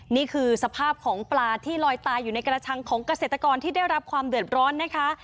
นี่คือสภาพของปลาที่ลอยตายอยู่ในกระชังของเกษตรกรที่ได้รับความเดือดร้อนนะคะ